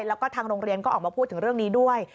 แล้วก็ทางโรงเรียนก็ออกมาพูดถึงเรื่องนี้ด้วย